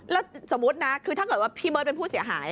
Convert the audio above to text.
แล้วสมมุตินะคือถ้าเกิดว่าพี่เบิร์ตเป็นผู้เสียหาย